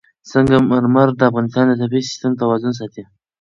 سنگ مرمر د افغانستان د طبعي سیسټم توازن ساتي.